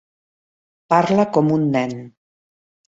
Parla com un nen.